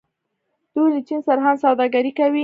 دوی له چین سره هم سوداګري کوي.